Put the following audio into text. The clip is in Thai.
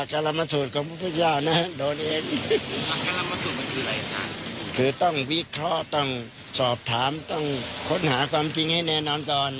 ก็ต้องสอบถามต้องค้นหาความจริงให้แนะนำก่อน